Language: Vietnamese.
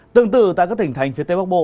tương tự tại các tỉnh thành phía tây bắc bộ